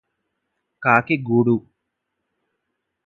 కాకి గూడు